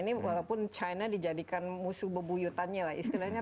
ini walaupun china dijadikan musuh bebuyutannya lah istilahnya